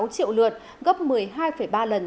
sáu triệu lượt gấp một mươi hai ba lần